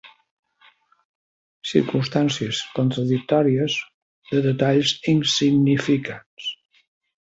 Circumstàncies contradictòries, de detalls insignificants.